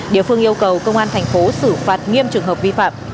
địa phương yêu cầu công an thành phố xử phạt nghiêm trường hợp vi phạm